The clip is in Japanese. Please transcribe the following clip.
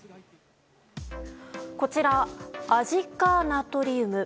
こちら、アジ化ナトリウム。